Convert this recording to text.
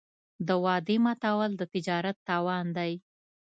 د وعدې ماتول د تجارت تاوان دی.